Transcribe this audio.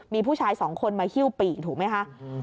มีผู้ชายสองคนมาฮิ้วปีกถูกไหมคะ